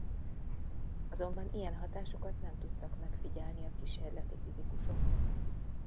Azonban ilyen hatásokat nem tudtak megfigyelni a kísérleti fizikusok.